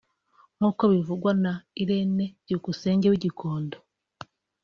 nk’uko bivugwa na Irène Byukusenge w’i Gikonko